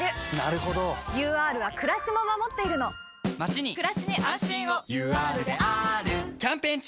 ＵＲはくらしも守っているのまちにくらしに安心をＵＲであーるキャンペーン中！